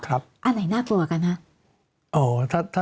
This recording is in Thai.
อันไหนน่ากลัวกันฮะ